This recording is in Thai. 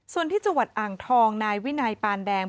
ส่วนที่จังหวัดอ่างทองนายวินัยปานแดง